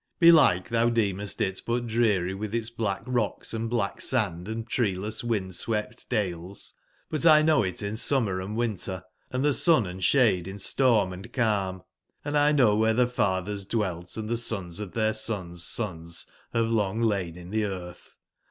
Belike thou decmest it but dreary with its black rocks and black sand, and treeless wind/ swept dales; butl know it in summer and winter, and sun and shade, in storm and calm. Hnd I know where the fathers dwelt and the sons of their sons' sons have long lain in the earth.